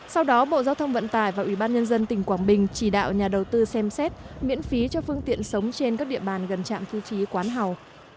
sau đó bộ giao thông vận tải và ủy ban nhân dân tỉnh quảng bình chỉ đạo nhà đầu tư xem xét miễn phí cho phương tiện sống trên các địa bàn gần trạm thu phí quán hào